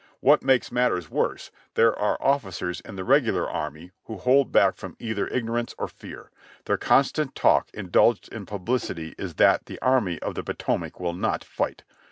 What makes matters worse there are of^cers in the Regular Army who hold back from either ignor ance or fear. Their constant talk indulged in publicly is that the Army of the Potomac will not fight.